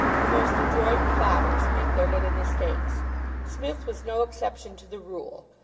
The most adroit plotters make their little mistakes. Psmith was no exception to the rule.